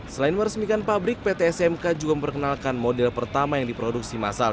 selain meresmikan pabrik pt smk juga memperkenalkan model pertama yang diproduksi masal